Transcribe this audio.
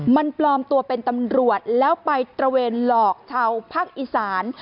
มันปลอมตัวเป็นตำรวจแล้วไปตระเวนหลอกชาวภาคอีสาน